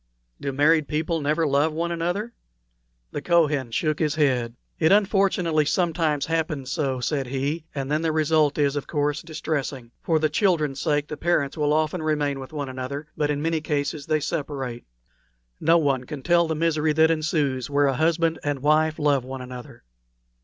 "Do married people never love one another?" The Kohen shook his head. "It unfortunately sometimes happens so," said he, "and then the result is, of course, distressing. For the children's sake the parents will often remain with one another, but in many cases they separate. No one can tell the misery that ensues where a husband and wife love one another."